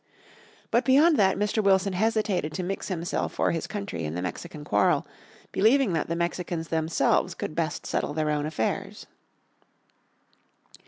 But beyond that Mr. Wilson hesitated to mix himself or his country in the Mexican quarrel, believing that the Mexicans themselves could best settle their own affairs.